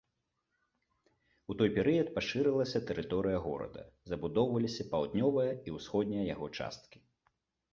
У той перыяд пашырылася тэрыторыя горада, забудоўваліся паўднёвая і ўсходняя яго часткі.